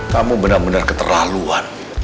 kamu benar benar keterlaluan